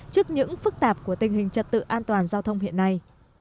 trước những phức tạp của tình hình trật tự an toàn giao thông hiện nay